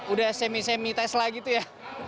udah semi semi tesla gitu ya